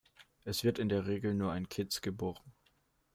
Es wird in der Regel nur ein Kitz geboren.